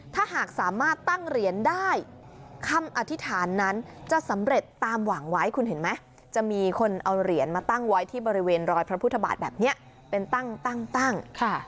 ถ้าหากสามารถตั้งเหรียญได้คำอธิษฐานนั้นจะสำเร็จตามหวังไว้คุณเห็นไหมจะมีคนเอาเหรียญมาตั้งไว้ที่บริเวณรอยพระพุทธบาทแบบนี้เป็นตั้ง